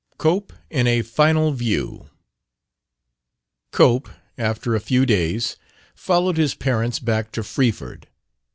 33 COPE IN A FINAL VIEW Cope, after a few days, followed his parents back to Freeford.